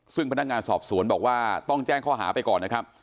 ซึ่งพนักงานสอบสวนบอกว่าต้องแจ้งข้อหาไปก่อนนะครับ